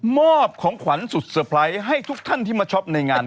อบของขวัญสุดเซอร์ไพรส์ให้ทุกท่านที่มาช็อปในงาน